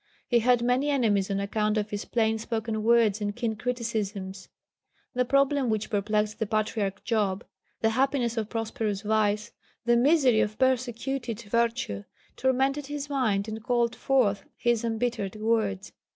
He had many enemies on account of his plain spoken words and keen criticisms. The problem which perplexed the Patriarch Job the happiness of prosperous vice, the misery of persecuted virtue tormented his mind and called forth his embittered words.